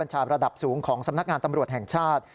ผู้บังคับบัญชาระดับสูงของสำนักงานตำรวจแห่งชาติ